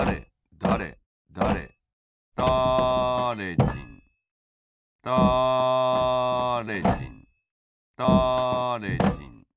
じんだれじんだれじん。